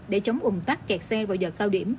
để chống ung tắc kẹt xe vào giờ cao điểm